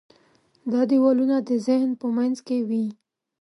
دا دیوالونه د ذهن په منځ کې وي.